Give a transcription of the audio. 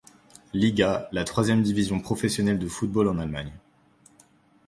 Liga, la troisième division professionnelle de football en Allemagne.